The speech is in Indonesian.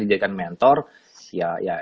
dijadikan mentor ya ya